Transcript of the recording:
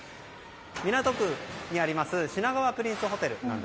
港区にある品川プリンスホテル。